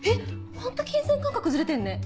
ホント金銭感覚ズレてんね。